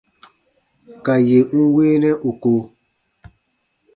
Ka yè n weenɛ ù ko.